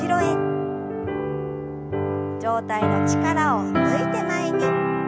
上体の力を抜いて前に。